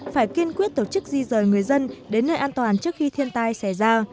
phải kiên quyết tổ chức di rời người dân đến nơi an toàn trước khi thiên tai xảy ra